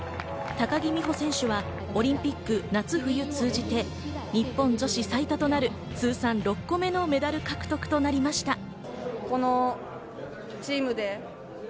高木美帆選手はオリンピック夏冬通じて日本女子最多となる通算６個目のメダル獲得となりました。